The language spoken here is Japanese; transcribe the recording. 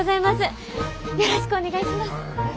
よろしくお願いします。